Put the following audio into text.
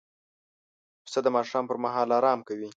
پسه د ماښام پر مهال آرام کوي.